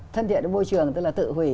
thân thiện với môi trường tức là tự hủy